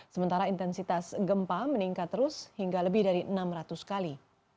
sementara intensitas gempa meningkat terus hingga lebih dari enam ratus kali